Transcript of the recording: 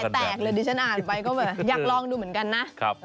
น้ำลายแตกเลยที่ฉันอ่านไว้ก็อยากลองดูเหมือนกันนะ